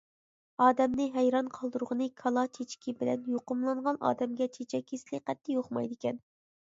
ئادەمنى ھەيران قالدۇرىدىغىنى كالا چېچىكى بىلەن يۇقۇملانغان ئادەمگە چېچەك كېسىلى قەتئىي يۇقمايدىكەن.